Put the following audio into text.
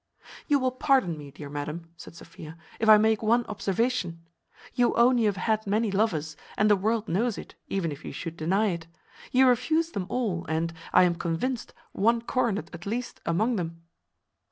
"You will pardon me, dear madam," said Sophia, "if I make one observation: you own you have had many lovers, and the world knows it, even if you should deny it. You refused them all, and, I am convinced, one coronet at least among them."